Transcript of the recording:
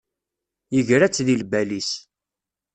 Yegra-tt deg lbal-is.